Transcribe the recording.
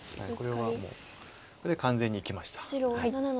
これはもう完全に生きました。